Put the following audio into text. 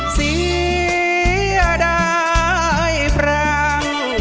เสียดายปรัง